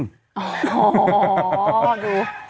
อ๋อดู